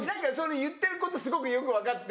言ってることすごくよく分かって。